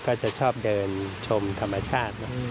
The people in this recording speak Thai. ก็จะชอบเดินชมธรรมชาติ